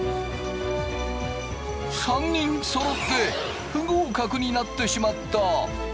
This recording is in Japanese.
３人そろって不合格になってしまった。